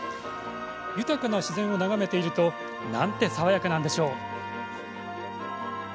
豊かな自然に囲まれてなんて爽やかなんでしょう。